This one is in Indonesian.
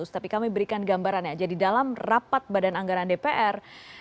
tapi kami berikan gambarannya jadi dalam rapat badan anggaran dpr